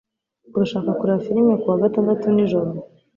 Urashaka kureba firime kuwa gatandatu nijoro?